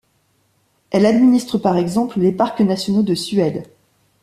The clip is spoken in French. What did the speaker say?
Elle administre par exemple les parcs nationaux de Suède.